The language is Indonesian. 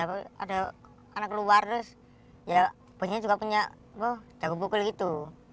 ada anak keluar terus ya buahnya juga punya jago bukulin gitu